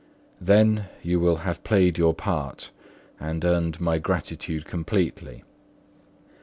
Then you will have played your part and earned my gratitude completely.